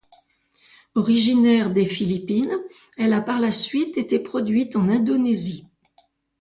Originaire des Philippines, elle a par la suite été produite en Indonésie.